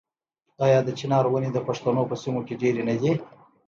آیا د چنار ونې د پښتنو په سیمو کې ډیرې نه دي؟